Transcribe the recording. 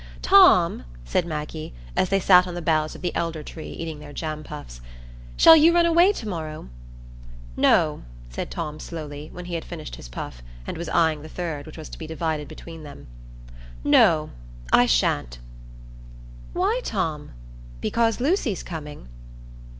"Tom," said Maggie, as they sat on the boughs of the elder tree, eating their jam puffs, "shall you run away to morrow?" "No," said Tom, slowly, when he had finished his puff, and was eying the third, which was to be divided between them,—"no, I sha'n't." "Why, Tom? Because Lucy's coming?"